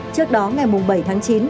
trước đó ngày bảy tháng chín